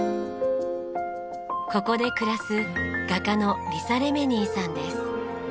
ここで暮らす画家のリサレメニーさんです。